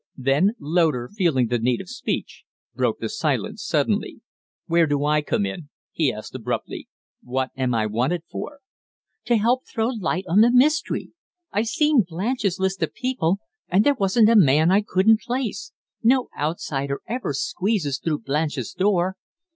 Then Loder, feeling the need of speech, broke the silence suddenly. "Where do I come in?" he asked abruptly. "What am I wanted for?" "To help to throw light on the mystery! I've seen Blanche's list of people, and there wasn't a man I couldn't place no outsider ever squeezes through Blanche's door.